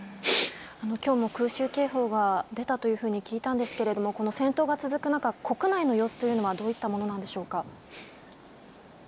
今日も空襲警報が出たというふうに聞いたんですが戦闘が続く中、国内の様子はどういったものなのでしょうか。